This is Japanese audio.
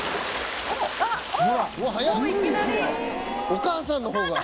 お母さんの方が！